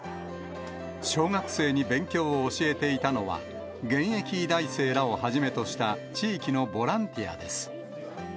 小学生に勉強を教えていたのは、現役医大生らをはじめとした地域のボランティアです。